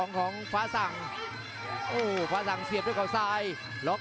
จังหวาดึงซ้ายตายังดีอยู่ครับเพชรมงคล